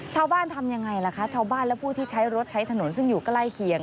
ทำยังไงล่ะคะชาวบ้านและผู้ที่ใช้รถใช้ถนนซึ่งอยู่ใกล้เคียง